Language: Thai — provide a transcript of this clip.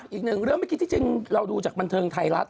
อีกหนึ่งเรื่องเมื่อกี้ที่จริงเราดูจากบันเทิงไทยรัฐ